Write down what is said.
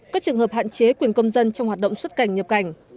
các trường hợp hạn chế quyền công dân trong hoạt động xuất cảnh nhập cảnh